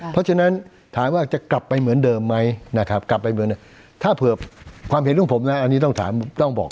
เพราะฉะนั้นถามว่าจะกลับไปเหมือนเดิมไหมถ้าเผื่อความเห็นต้องผมนะอันนี้ต้องบอก